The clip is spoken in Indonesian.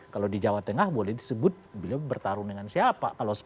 kalau di jawa tengah boleh disebut beliau bertarung dengan siapa